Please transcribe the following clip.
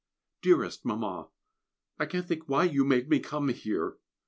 Dearest Mamma, I can't think why you made me come here!